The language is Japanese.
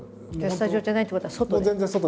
スタジオじゃないってことは外で？